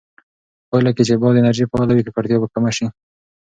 په پایله کې چې باد انرژي فعاله وي، ککړتیا به کمه شي.